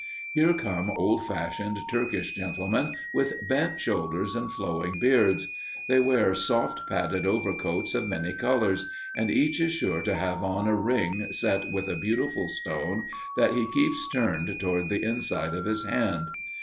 Here come old fashioned Turkish gentlemen with bent shoulders and flowing beards. They wear soft padded overcoats of many colors, and each is sure to have on a ring set with a beautiful stone that he keeps turned toward the inside of his hand.